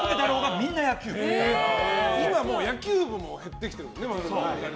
今は野球部も減ってきているもんね。